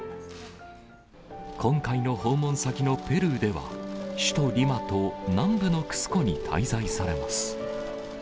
今回の訪問先のペルーでは、首都リマと南部のクスコに滞在されます。